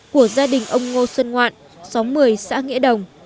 của gia đình ông ngô xuân ngoạn xóm một mươi xã nghĩa đồng